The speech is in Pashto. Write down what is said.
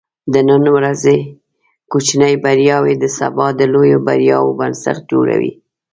د نن ورځې کوچني بریاوې د سبا د لویو بریاوو بنسټ جوړوي.